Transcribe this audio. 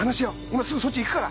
今すぐそっち行くから！